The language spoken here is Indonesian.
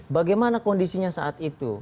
bagaimana kondisinya saat itu